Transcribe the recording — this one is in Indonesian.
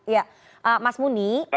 ya mas muni tapi